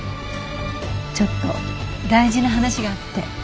ちょっと大事な話があって。